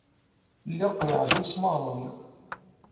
Lliɣ qellɛeɣ-d imesmaṛen.